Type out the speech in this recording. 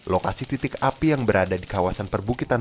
lokasi titik api yang berada di kawasan perbukitan